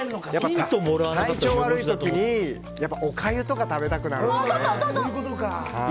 体調悪い時におかゆとか食べたくなるのでね。